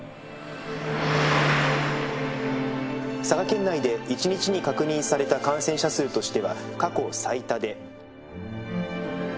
「佐賀県内で１日に確認された感染者数としては過去最多で」。